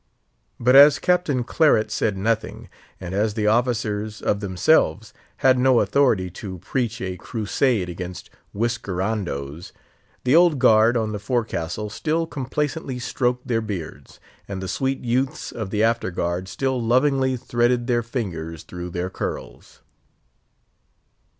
But as Captain Claret said nothing, and as the officers, of themselves, had no authority to preach a crusade against whiskerandoes, the Old Guard on the forecastle still complacently stroked their beards, and the sweet youths of the After guard still lovingly threaded their fingers through their curls.